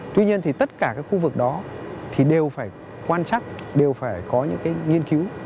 tuy nhiên thì tất cả các khu vực đó thì đều phải quan chắc đều phải có những cái nghiên cứu